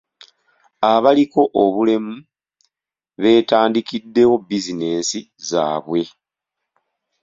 Abaliko obulemu beetandikiddewo bizinensi zaabwe.